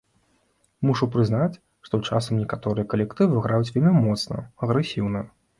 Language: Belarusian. Мушу прызнаць, што часам некаторыя калектывы граюць вельмі моцна, агрэсіўна.